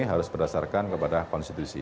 harus berdasarkan kepada konstitusi